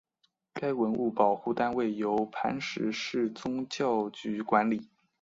该文物保护单位由磐石市宗教局管理。